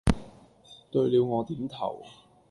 對了我點頭，